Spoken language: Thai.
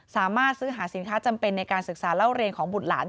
สามารถซื้อหาสินค้าจำเป็นในการศึกษาเล่าเรียนของบุตรหลาน